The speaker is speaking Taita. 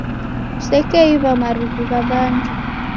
Kusekeiw'a marughu gha w'andu